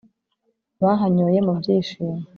bahanyoye mu byishimo